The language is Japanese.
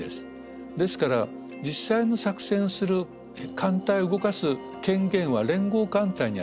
ですから実際の作戦する艦隊を動かす権限は連合艦隊にある。